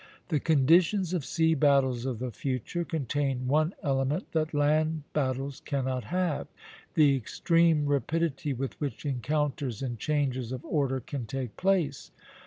The conditions of sea battles of the future contain one element that land battles cannot have, the extreme rapidity with which encounters and changes of order can take place.